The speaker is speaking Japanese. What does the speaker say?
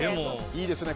いいですね。